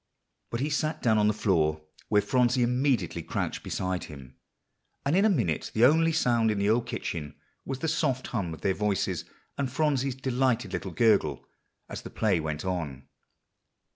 But he sat down on the floor, where Phronsie immediately crouched beside him; and in a minute the only sound in the old kitchen was the soft hum of their voices, and Phronsie's delighted little gurgle as the play went on.